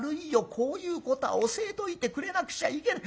こういうことは教えといてくれなくちゃいけな。